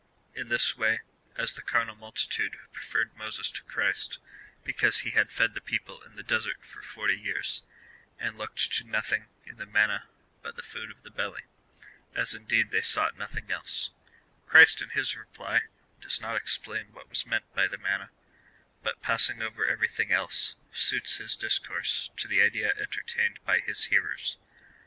In this way, as the carnal multitude pre ferred Moses to Christ, because he had fed the people in the desert for forty years, and looked to nothing in the manna but the food of the belly, (as indeed they sought nothing else,) Christ in his reply does not explain what was meant by the manna, but, passing over everything else, suits his discourse to the idea entertained by his hearers.